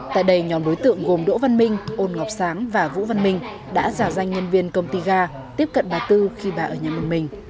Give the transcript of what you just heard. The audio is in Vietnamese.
tại đây nhóm đối tượng gồm đỗ văn minh ôn ngọc sáng và vũ văn minh đã giả danh nhân viên công ty ga tiếp cận bà tư khi bà ở nhà một mình